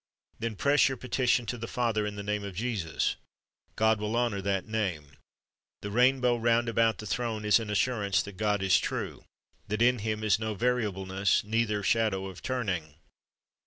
Then press your petition to the Father in the name of Jesus. God will honor that name. The rainbow round about the throne is an assurance that God is true, that in Him is no variableness, neither shadow of turning.